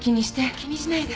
気にしないで。